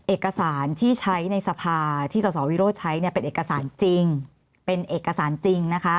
เอกสารที่ใช้ในสภาที่สสวิโรธใช้เป็นเอกสารจริง